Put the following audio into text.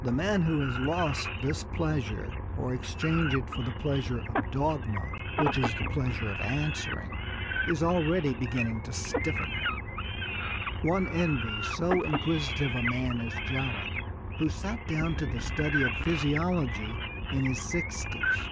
The man who has lost this pleasure or exchanged it for the pleasure of dogma, which is the pleasure of answering, is already beginning to stiffen. One envies so inquisitive a man as Jowett, who sat down to the study of physiology in his sixties.